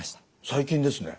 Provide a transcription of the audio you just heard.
最近ですね。